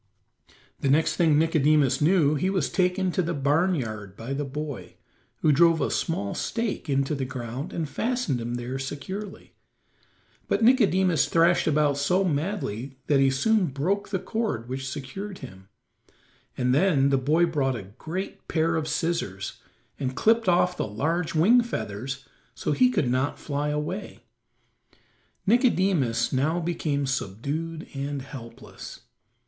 The next thing Nicodemus knew he was taken to the barn yard by the boy, who drove a small stake into the ground and fastened him there securely. But Nicodemus thrashed about so madly that he soon broke the cord which secured him, and then the boy brought a great pair of scissors and clipped off the large wing feathers so he could not fly away; Nicodemus now became subdued and helpless.